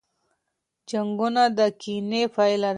جنګونه د کینې پایله ده.